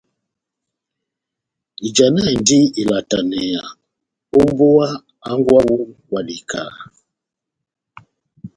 Ijanahindini ilataneya ó mbówa hángwɛ wawu wa dikaha.